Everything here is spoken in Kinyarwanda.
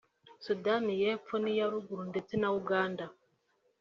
Sudani y’Epfo n’iya Ruguru ndetse na Uganda